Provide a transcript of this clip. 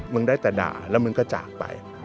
มึงได้แต่ด่าแล้วมึงก็จากไป